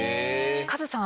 カズさん